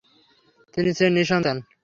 তিনি ছিলেন নিঃসন্তান।